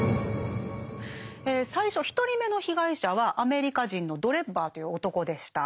最初１人目の被害者はアメリカ人のドレッバーという男でした。